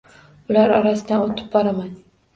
Ular orasidan oʻtib boraman